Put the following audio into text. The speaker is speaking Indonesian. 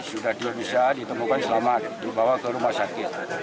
sudah diunisah ditemukan selamat dibawa ke rumah sakit